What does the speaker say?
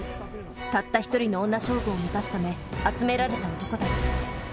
たった一人の女将軍を満たすため集められた男たち。